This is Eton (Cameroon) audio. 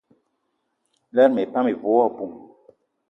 Lerma epan ive wo aboum.